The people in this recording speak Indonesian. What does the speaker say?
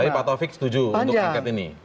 tapi pak taufik setuju untuk angket ini